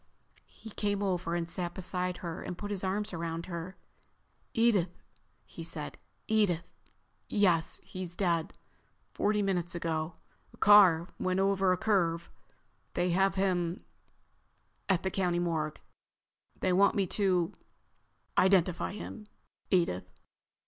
He came over and sat beside her and put his arms around her. "Edith," he said. "Edith—Yes, he's dead. Forty minutes ago. The car—went over a curve. They have him—at the County morgue. They want me to—identify him. Identify him. Edith!